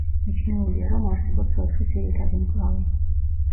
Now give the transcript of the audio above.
მიჩნეულია რომ არსებობს ოთხი ძირითადი მკლავი.